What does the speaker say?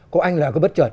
có anh là cứ bất chợt